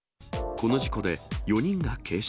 この事故で４人が軽傷。